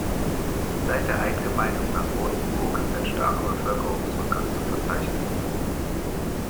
Seit der Eingemeindung nach Rothenburg ist ein starker Bevölkerungsrückgang zu verzeichnen.